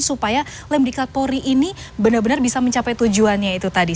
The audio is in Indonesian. supaya lemdiklat polri ini benar benar bisa mencapai tujuannya itu tadi